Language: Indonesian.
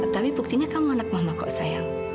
tapi buktinya kamu anak mama kok sayang